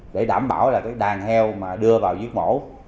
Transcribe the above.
để đảm bảo đàn heo đưa vào giết mổ